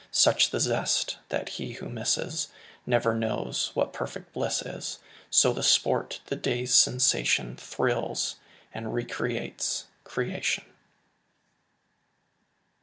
Such the zest that he who misses Never knows what perfect bliss is. So the sport, the day's sensation, Thrills and recreates creation.